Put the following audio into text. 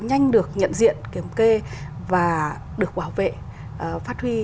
nhanh được nhận diện kiểm kê và được bảo vệ phát huy